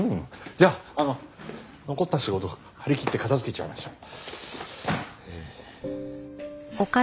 じゃああの残った仕事張り切って片付けちゃいましょう。